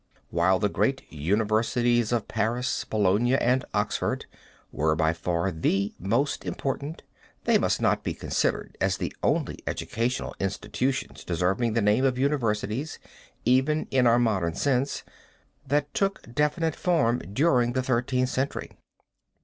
While the great universities of Paris, Bologna, and Oxford were, by far, the most important, they must not be considered as the only educational institutions deserving the name of universities, even in our modern sense, that took definite form during the Thirteenth Century.